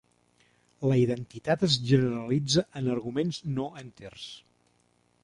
La identitat es generalitza en arguments no enters.